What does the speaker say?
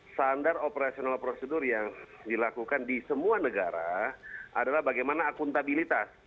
standar operasional prosedur yang dilakukan di semua negara adalah bagaimana akuntabilitas